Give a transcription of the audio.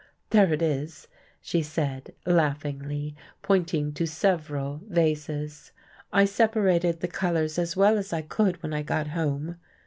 There it is," she said, laughingly, pointing to several vases. "I separated the colours as well as I could when I got home.